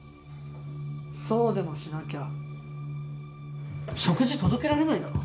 そうでもしなきゃ食事届けられないだろ。